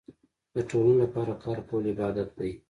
د ټولنې لپاره کار کول عبادت دی.